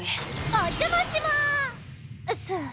おっ邪魔します。